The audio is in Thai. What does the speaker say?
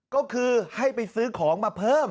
ก็คือให้ไปซื้อของมาเพิ่ม